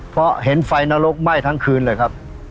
เพราะเห็นไฟนรกไหม้ทั้งคืนเลยครับ